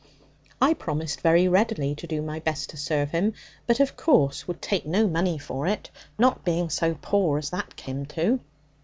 I promised very readily to do my best to serve him, but, of course, would take no money for it, not being so poor as that came to.